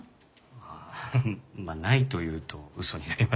ああまあないと言うと嘘になりますかね。